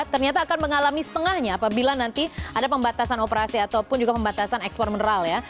ternyata akan mengalami setengahnya apabila nanti ada pembatasan operasi ataupun juga pembatasan ekspor mineral ya